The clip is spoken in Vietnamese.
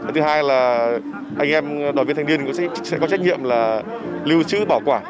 thứ hai là anh em đoàn viên thanh niên cũng sẽ có trách nhiệm là lưu trữ bảo quản